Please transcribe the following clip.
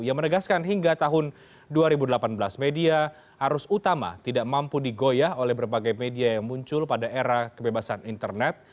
ia menegaskan hingga tahun dua ribu delapan belas media arus utama tidak mampu digoyah oleh berbagai media yang muncul pada era kebebasan internet